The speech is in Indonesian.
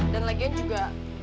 dan lagian juga